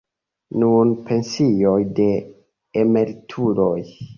Nun pensioj de emerituloj.